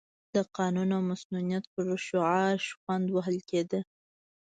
د قانون او مصونیت پر شعار شخوند وهل کېده.